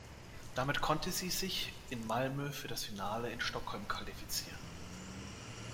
Damit konnte sie sich in Malmö für das Finale in Stockholm qualifizieren.